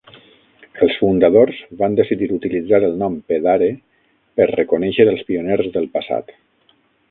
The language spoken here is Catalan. Els fundadors van decidir utilitzar el nom "Pedare" per reconèixer els pioners del passat.